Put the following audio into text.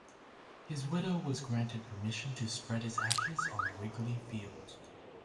His widow was granted permission to spread his ashes on Wrigley Field.